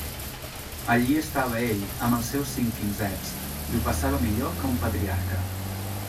Allí estava ell amb els seus cinc quinzets, i ho passava millor que un patriarca.